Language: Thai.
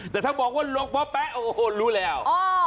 แต่ถ้าบอกว่าหลวงพ่อแป๊ะโอ้โหรู้แล้ว